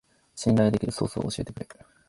信頼できるソースを教えてくれ